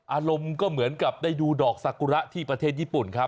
อารมณ์ก็เหมือนกับได้ดูดอกสากุระที่ประเทศญี่ปุ่นครับ